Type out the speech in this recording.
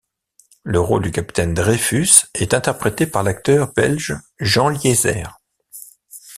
Le rôle du capitaine Dreyfus est interprété par l'acteur belge Jean Liézer.